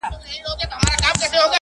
بخت مي لکه ستوری د یوسف دی ځلېدلی -